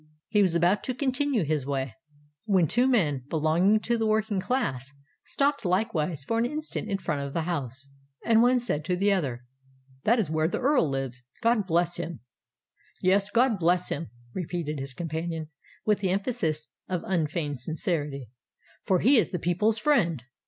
He was about to continue his way, when two men, belonging to the working class, stopped likewise for an instant in front of the house; and one said to the other, "That is where the Earl lives. God bless him!" "Yes—God bless him!" repeated his companion, with the emphasis of unfeigned sincerity: "for he is the people's friend."